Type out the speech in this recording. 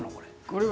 これ。